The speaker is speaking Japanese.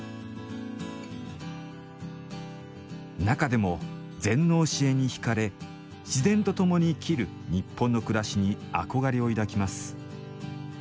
中でも禅の教えにひかれ自然と共に生きる日本の暮らしに憧れを抱きます。